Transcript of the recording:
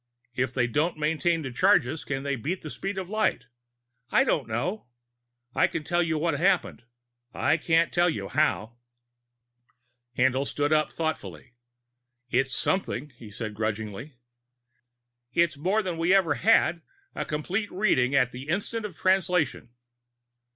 If they don't maintain the charges, can they beat the speed of light? I don't know. I can tell you what happened. I can't tell you how." Haendl stood up thoughtfully. "It's something," he said grudgingly. "It's more than we've ever had a complete reading at the instant of Translation!"